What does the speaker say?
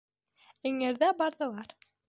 Эңерҙә барҙылар.